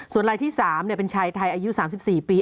ส่วนลายที่๓เป็นชายไทยอายุ๓๔ปี